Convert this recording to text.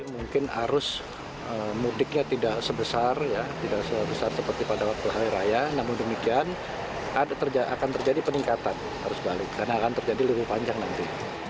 mungkin arus mudiknya tidak sebesar seperti pada waktu hari raya namun demikian akan terjadi peningkatan karena akan terjadi lebih panjang nanti